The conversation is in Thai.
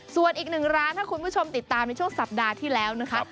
ส่วนอีกหนึ่งร้านถ้าคุณผู้ชมติดตามในช่วงสัปดาห์ที่แล้วนะคะ